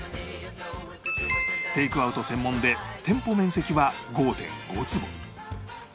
テイクアウト専門で店舗面積は ５．５ 坪